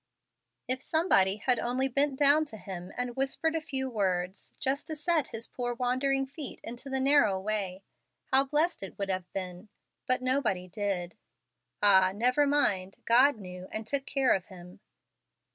If somebody had only bent down to him, and whispered a few words, just to set his poor wandering feet into the narrow way, how blessed it would have been! but nobody did. Ah, never mind! God knew, and took care of him.